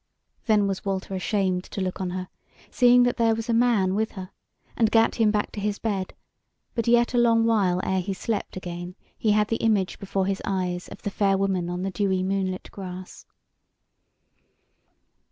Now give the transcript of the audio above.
Then was Walter ashamed to look on her, seeing that there was a man with her, and gat him back to his bed; but yet a long while ere he slept again he had the image before his eyes of the fair woman on the dewy moonlit grass.